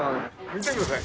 見てください。